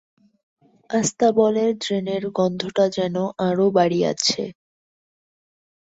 আস্তাবলের ড্রেনের গন্ধটা যেন আরও বাড়িয়াছে।